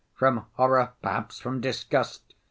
From horror, perhaps from disgust.